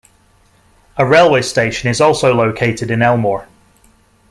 A railway station is also located in Elmore.